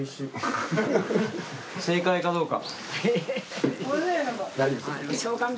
正解かどうか。